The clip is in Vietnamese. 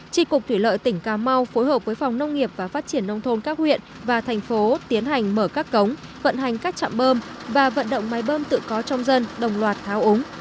trị cục thủy lợi tỉnh cà mau phối hợp với phòng nông nghiệp và phát triển nông thôn các huyện và thành phố tiến hành mở các cống vận hành các trạm bơm và vận động máy bơm tự có trong dân đồng loạt tháo úng